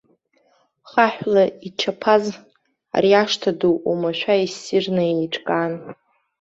Хаҳәла ичаԥаз ари ашҭа ду оумашәа иссирны еиҿкаан.